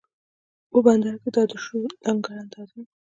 په بندر کې دا دی شو لنګر اندازه